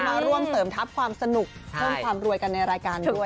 มาร่วมเสริมทัพความสนุกเพิ่มความรวยกันในรายการด้วย